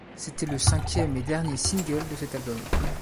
C'était le cinquième et dernier single de cet album.